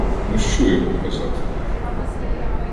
Ну, що йому казати?